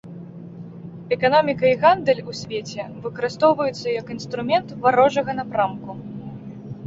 Эканоміка і гандаль у свеце выкарыстоўваюцца як інструмент варожага напрамку.